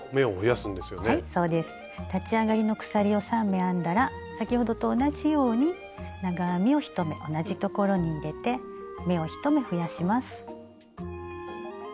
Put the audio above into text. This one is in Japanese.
立ち上がりの鎖を３目編んだら先ほどと同じように長編みを１目同じところに入れて目を１目増やします。